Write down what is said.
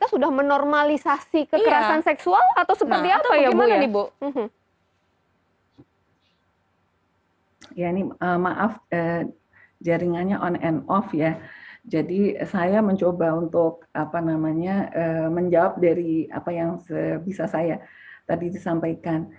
saya mencoba untuk menjawab dari apa yang bisa saya tadi sampaikan